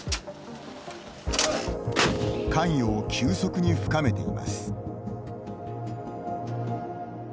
関与を急速に深めています。